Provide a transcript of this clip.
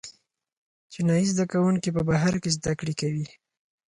چینايي زده کوونکي په بهر کې زده کړې کوي.